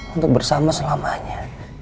untuk bersama selamanya